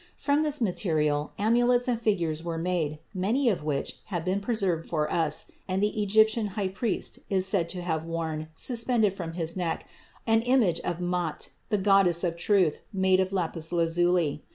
From this material amulets and figures were made, many of which have been preserved for us, and the Egyptian high priest is said to have worn, suspended from his neck, an image of Mat, the Goddess of Truth, made of lapis lazuli.